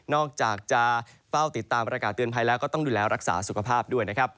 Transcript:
อกจากจะเฝ้าติดตามประกาศเตือนภัยแล้วก็ต้องดูแลรักษาสุขภาพด้วยนะครับ